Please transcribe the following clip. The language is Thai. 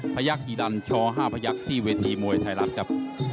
พยักษีดันช๕พยักษ์ที่เวทีมวยไทยรัฐครับ